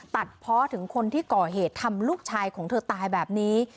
ตัดเพาะถึงคนที่ก่อเหตุทำลูกชายของเธอตายแบบนี้